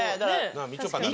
みちょぱだな。